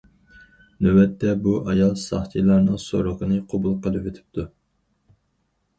نۆۋەتتە، بۇ ئايال ساقچىلارنىڭ سورىقىنى قوبۇل قىلىۋېتىپتۇ.